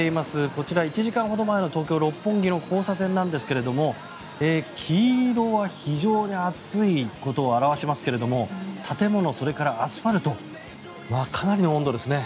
こちら１時間ほど前の東京・六本木の交差点なんですけれども黄色いは非常に暑いことを表しますけれども建物、それからアスファルトかなりの温度ですね。